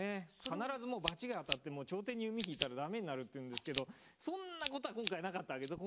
必ず罰が当たって朝廷に弓引いたら駄目になるっていうんですけどそんなことは今回なかったわけです。